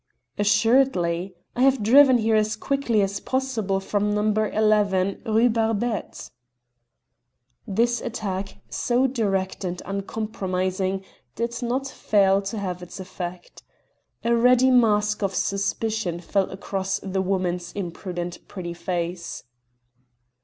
"Assuredly. I have driven here as quickly as possible from No. 11, Rue Barbette." This attack, so direct and uncompromising, did not fail to have its effect. A ready mask of suspicion fell across the woman's impudent pretty face.